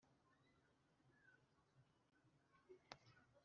Sinzavayo kiko ni kwadata kugeza ambwiye